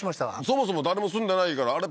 そもそも誰も住んでないからあれ？